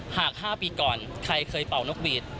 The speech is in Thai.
หาก๕ปีก่อนใครเคยเป่านกหวีด